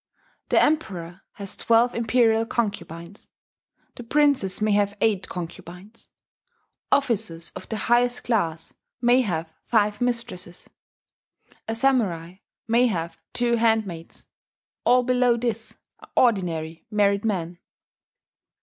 The Emperor has twelve imperial concubines. The princes may have eight concubines. Officers of the highest class may have five mistresses. A Samurai may have two handmaids. All below this are ordinary married men."